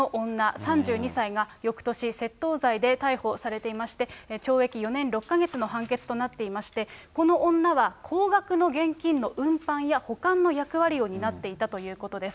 ３２歳が、よくとし、窃盗罪で逮捕されていまして、懲役４年６か月の判決となっていまして、この女は、高額の現金の運搬や保管の役割を担っていたということです。